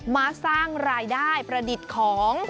มาสร้างรายได้ประดิษฐ์ของ